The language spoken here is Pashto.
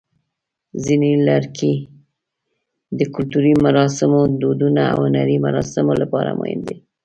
ځینې لرګي د کلتوري مراسمو، دودونو، او هنري مراسمو لپاره مهم دي.